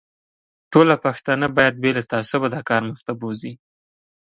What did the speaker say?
ټوله پښتانه باید بې له تعصبه دا کار مخ ته بوزي.